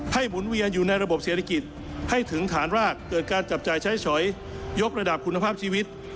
หมุนเวียนอยู่ในระบบเศรษฐกิจให้ถึงฐานรากเกิดการจับจ่ายใช้ฉอยยกระดับคุณภาพชีวิต